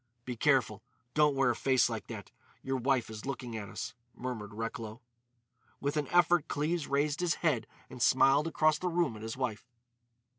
"Be careful. Don't wear a face like that. Your wife is looking at us," murmured Recklow. With an effort Cleves raised his head and smiled across the room at his wife.